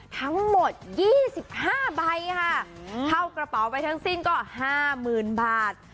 ทั้งหมด๒๕ใบค่ะเข้ากระเป๋าไปทั้งสิ้นก็๕๐๐๐บาท